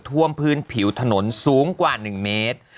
ท่วมพื้นผิวถนนสูงกว่า๑เมตร